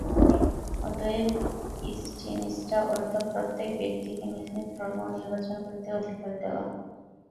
অতএব ইষ্টনিষ্ঠার অর্থ প্রত্যেক ব্যক্তিকে নিজ নিজ ধর্ম নির্বাচন করিতে অধিকার দেওয়া।